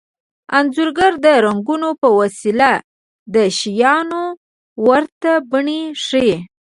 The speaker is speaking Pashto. انځورګر د رنګونو په وسیله د شیانو ورته بڼې ښيي